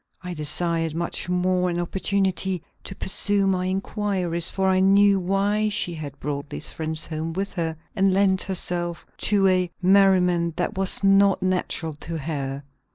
I desired much more an opportunity to pursue my inquiries, for I knew why she had brought these friends home with her and lent herself to a merriment that was not natural to her.